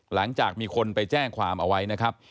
หลังจากมีคนไปแจ้งความเอาไว้นะครับ